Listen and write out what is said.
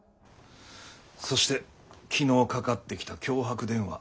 そして昨日かかってきた脅迫電話。